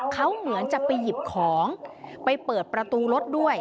เขาเหมือนจะไปหยิบของไปเปิดประตูรถด้วย